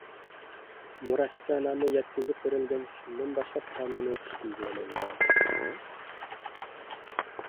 مۇرەسسەنامە يەتكۈزۈپ بېرىلگەن كۈندىن باشلاپ قانۇنىي كۈچكە ئىگە بولىدۇ.